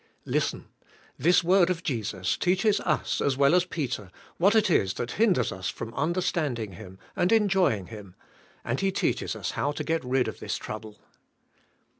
Listen, this word of Jesus teaches us, as well as Peter, what it is that hinders us from understanding Him and enjoying Him, and He teaches us how to g et rid of this trouble.